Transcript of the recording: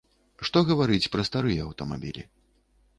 Што гаварыць пра старыя аўтамабілі.